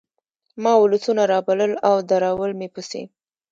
ما ولسونه رابلل او درول مې پسې